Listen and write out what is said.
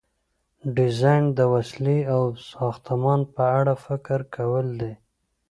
ډیزاین د وسیلې او ساختمان په اړه فکر کول دي.